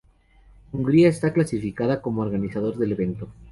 Hungría está clasificada como organizador del evento.